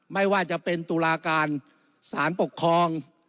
ไม่ว่าจะเป็นตุลาการสารปกครอง